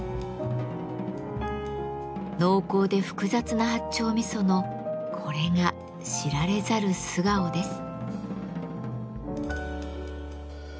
濃厚で複雑な八丁味噌のこれが知られざる素顔です。